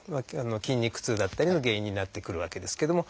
筋肉痛だったりの原因になってくるわけですけども。